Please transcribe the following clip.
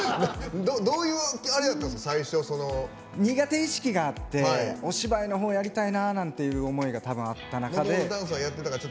どういう苦手意識があってお芝居のほうやりたいななんていう思いが多分あった中で。